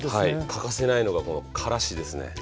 欠かせないのがこのからしですね。